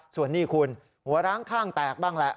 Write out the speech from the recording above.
ส่วนนี้คุณหัวร้างข้างแตกบ้างแหละ